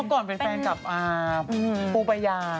พอนก็เป็นแฟนกับปูปะยา